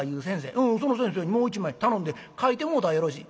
その先生にもう一枚頼んで描いてもうたらよろしい」。